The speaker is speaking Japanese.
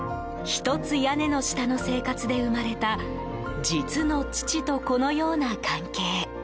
一つ屋根の下の生活で生まれた実の父と子のような関係。